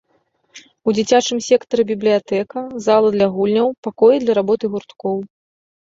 У дзіцячым сектары бібліятэка, зала для гульняў, пакоі для работы гурткоў.